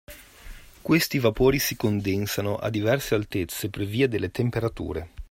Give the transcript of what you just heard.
Questi vapori si condensano a diverse altezze per via delle temperature.